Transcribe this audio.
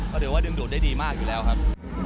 ก็ถือว่าดึงดูดได้ดีมากอยู่แล้วครับ